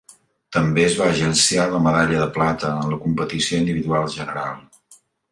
També es va agenciar la medalla de plata en la competició individual general.